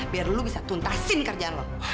biar lu bisa tuntasin kerjaan lo